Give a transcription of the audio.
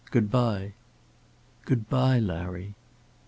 Good bye." "Good bye, Larry."